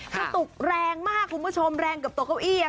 กระตุกแรงมากคุณผู้ชมแรงกับตัวเก้าอี้